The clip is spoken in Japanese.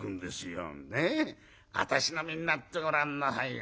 ねえ私の身になってごらんなさいよ。